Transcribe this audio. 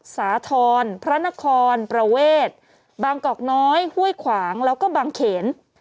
สาธรณ์พระนครประเวทบางกอกน้อยห้วยขวางแล้วก็บางเขน